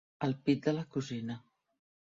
El pit de la cosina.